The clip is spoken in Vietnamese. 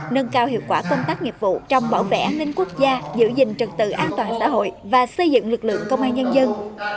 nâng cao hiệu quả công tác nghiệp vụ trong bảo vệ an ninh quốc gia giữ gìn trực tự an toàn xã hội và xây dựng lực lượng công an nhân dân